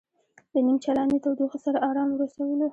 له نیم چالانې تودوخې سره ارام ورسولو.